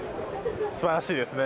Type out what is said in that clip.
素晴らしいですね